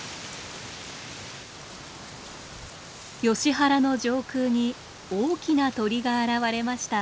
ヨシ原の上空に大きな鳥が現れました。